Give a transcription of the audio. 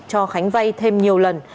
cho khánh vay thêm nhiều lần